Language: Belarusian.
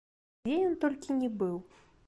Дзе ён толькі ні быў!